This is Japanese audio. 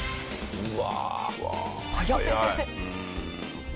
うわ！